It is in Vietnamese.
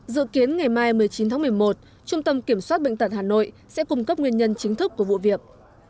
dự kiến ngày mai một mươi chín tháng một mươi một trung tâm kiểm soát bệnh tật hà nội sẽ cung cấp nguyên nhân chính thức của vụ việc